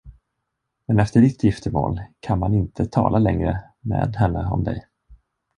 Men efter ditt giftermål kan man inte tala längre med henne om dig.